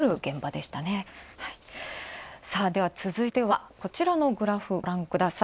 さあでは続いてはこちらのグラフ、ご覧ください。